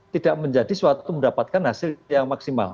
tidak menjadi suatu mendapatkan hasil yang maksimal